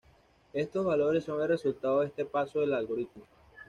Estos valores son el resultado de este paso del algoritmo.